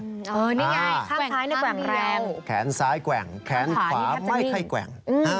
นี่ง่ายข้างล่างแขนซ้ายแกว่งแขนขวาไม่ให้แกว่ง